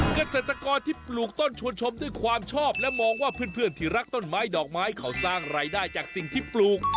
เกษตรกรที่ปลูกต้นชวนชมด้วยความชอบและมองว่าเพื่อนที่รักต้นไม้ดอกไม้เขาสร้างรายได้จากสิ่งที่ปลูก